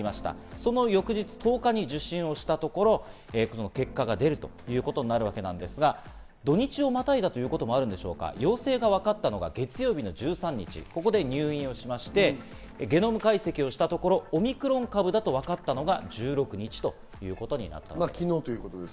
その翌日１０日に受診したところ結果が出るということなんですが、土日をまたいだということもあるでしょうか、陽性がわかったのが月曜日の１３日、ここで入院しましてゲノム解析をしたところ、オミクロン株だとわかったのが１６日ということになっています。